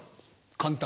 簡単。